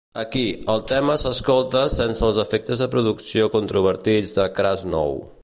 Aquí, el tema s'escolta sense els efectes de producció controvertits de Krasnow.